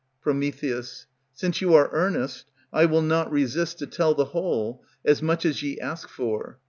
Pr. Since ye are earnest, I will not resist To tell the whole, as much as ye ask for.